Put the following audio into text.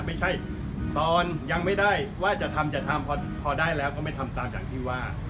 ไม่ใช่ตอนยังไม่ได้ว่าจะทำจะทำพอได้แล้วก็ไม่ทำตามอย่างที่ว่า